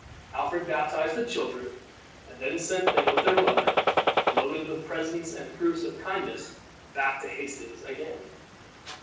Alfred baptized the children, and then sent them, with their mother, loaded with presents and proofs of kindness, back to Hastings again.